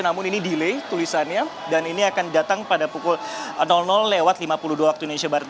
namun ini delay tulisannya dan ini akan datang pada pukul lima puluh dua waktu indonesia barat